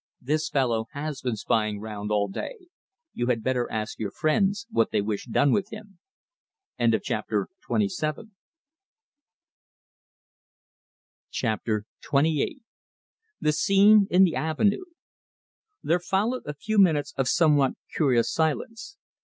"This fellow has been spying round all day. You had better ask your friends what they wish done with him." CHAPTER XXVIII THE SCENE IN THE AVENUE There followed a few minutes of somewhat curious silence.